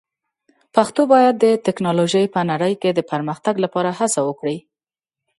پښتو باید د ټکنالوژۍ په نړۍ کې د پرمختګ لپاره هڅه وکړي.